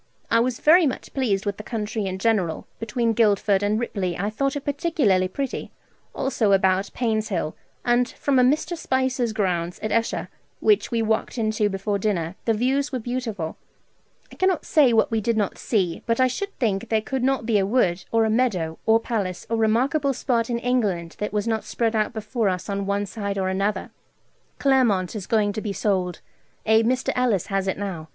I was very much pleased with the country in general. Between Guildford and Ripley I thought it particularly pretty, also about Painshill; and from a Mr. Spicer's grounds at Esher, which we walked into before dinner, the views were beautiful. I cannot say what we did not see, but I should think there could not be a wood, or a meadow, or palace, or remarkable spot in England that was not spread out before us on one side or other. Claremont is going to be sold: a Mr. Ellis has it now.